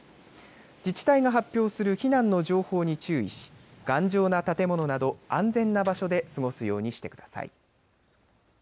自治体が発表する避難の情報に注意し頑丈な建物など安全な場所で過ごすようにしてください。